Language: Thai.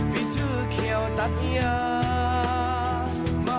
มีชื่อเขียวตัดอย่าง